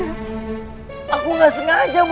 aku gak sengaja